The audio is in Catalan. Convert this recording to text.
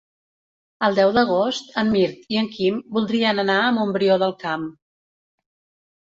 El deu d'agost en Mirt i en Quim voldrien anar a Montbrió del Camp.